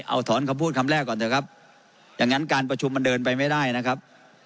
เอาถอนคำพูดคำแรกก่อนเถอะครับอย่างนั้นการประชุมมันเดินไปไม่ได้นะครับ